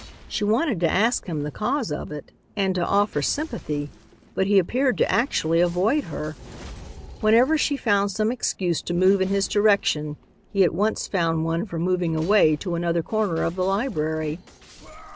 She wanted to ask him the cause of it and to offer sympathy, but he appeared to actually avoid her. Whenever she found some excuse to move in his direction, he at once found one for moving away to another corner of the library.